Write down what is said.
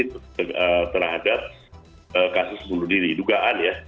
terhadap kasus bunuh diri dugaan ya